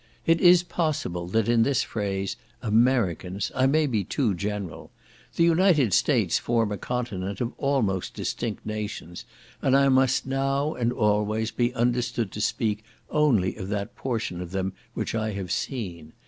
It is possible that in this phrase, "Americans," I may be too general. The United States form a continent of almost distinct nations, and I must now, and always, be understood to speak only of that portion of them which I have seen.